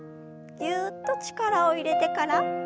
ぎゅっと力を入れてから抜きます。